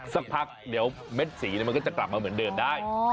สักพักเดี๋ยวเม็ดสีมันก็จะกลับมาเหมือนเดิมได้